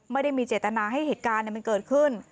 ไม่ได้มีเจตนาให้เหตุการณ์มันเกิดขึ้น